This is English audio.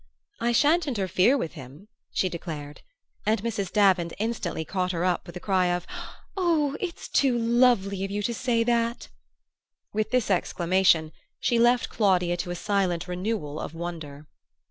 "I sha'n't interfere with him," she declared; and Mrs. Davant instantly caught her up with a cry of, "Oh, it's too lovely of you to say that!" With this exclamation she left Claudia to a silent renewal of wonder.